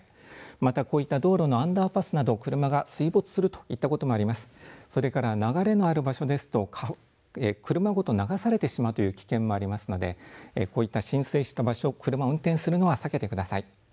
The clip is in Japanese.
またこういった道路のアンダーパスなど車が水没するといったこともあります。それから流れのある場所ですと車ごと流されてしまうという危険もありますのでこういった浸水した場所、車を運転するのは避けてください。